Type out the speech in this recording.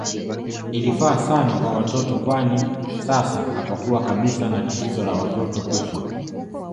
Ilifaa sana kwa watoto kwani sasa hapakuwa kabisa na tatizo la watoto kufa